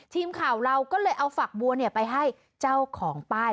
ทีมข่าวเราก็เลยเอาฝักบัวไปให้เจ้าของป้าย